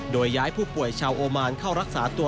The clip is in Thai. โดยย้ายผู้ป่วยชาวโอมานเข้ารักษาตัว